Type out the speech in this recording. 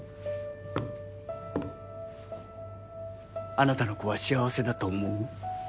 あなたの子は幸せだと思う？